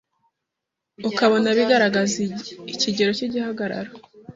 ukabona bigaragaza ikigero cy’igihagararo